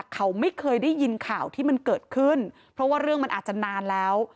เขาไม่เคยได้ยินข่าวที่มันเกิดขึ้นเพราะว่าเรื่องมันอาจจะนานแล้ว